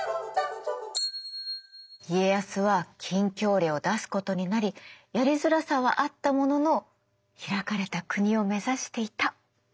家康は禁教令を出すことになりやりづらさはあったものの開かれた国を目指していた。